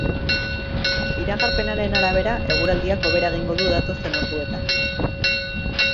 Iragarpenaren arabera, eguraldiak hobera egingo du datozen orduetan.